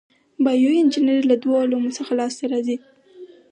بایو انجنیری له دوو علومو څخه لاس ته راځي.